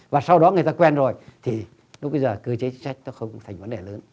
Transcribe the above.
và sau đó người ta quen rồi thì lúc bây giờ cơ chế chính sách nó không thành vấn đề lớn